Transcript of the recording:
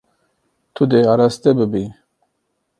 Tu dê araste bibî.